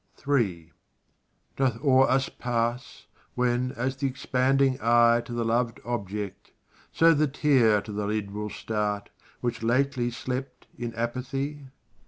III Doth o'er us pass, when, as th' expanding eye To the loved object so the tear to the lid Will start, which lately slept in apathy?